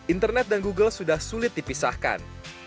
internet dan google sudah sulit dipisahkan